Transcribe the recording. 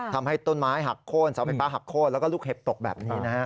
ทำให้ต้นไม้หักโค้นเสาไฟฟ้าหักโค้นแล้วก็ลูกเห็บตกแบบนี้นะฮะ